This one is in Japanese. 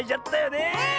ねえ！